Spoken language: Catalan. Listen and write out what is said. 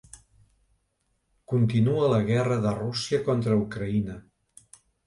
Continua la guerra de Rússia contra Ucraïna.